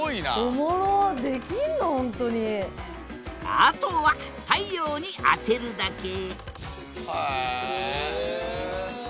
あとは太陽に当てるだけへえ。